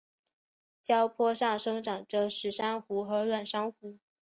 礁坡上生长着石珊瑚和软珊瑚。